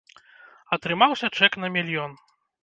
Атрымаўся чэк на мільён!